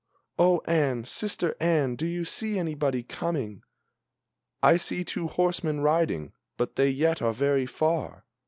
"Oh, Anne, sister Anne, do you see anybody coming?" "I see two horsemen riding, but they yet are very far!"